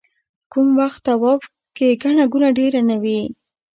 کوم وخت طواف کې ګڼه ګوڼه ډېره نه وي.